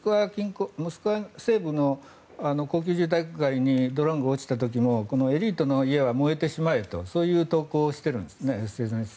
モスクワ西部の高級住宅街にドローンが落ちた時もエリートの家は燃えてしまえとそういう投稿をＳＮＳにしているんですね。